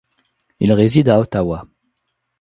Il réside à Ottawa.